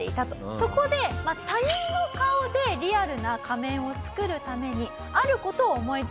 そこで他人の顔でリアルな仮面を作るためにある事を思い付きます。